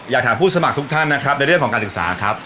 อยากถามผู้สมัครทุกท่านนะครับในเรื่องของการศึกษาครับ